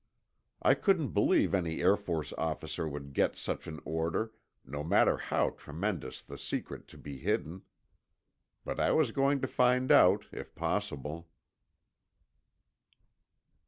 I couldn't believe any Air Force officer would give such an order, no matter how tremendous the secret to be hidden. But I was going to find out, if possible.